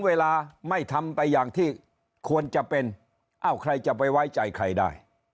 เวลาไม่ทำไปอย่างที่ควรจะเป็นอ้าวใครจะไปไว้ใจใครได้